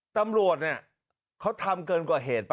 ตำรวจเนี่ยเขาทำเกินกว่าเหตุป่